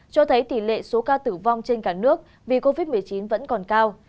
cho thấy tỷ lệ số ca tử vong trên cả nước vì covid một mươi chín vẫn còn cao